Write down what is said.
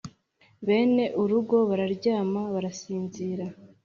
Bene urugo bararyama, barasinzira